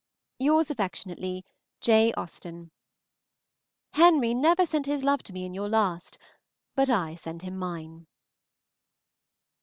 Yours affectionately, J. AUSTEN. Henry never sent his love to me in your last, but I send him mine.